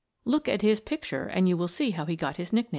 Look at his picture and you will see how he got his nickname.